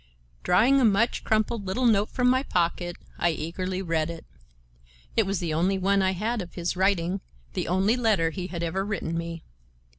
Drawing a much crumpled little note from my pocket, I eagerly read it. It was the only one I had of his writing, the only letter he had ever written me.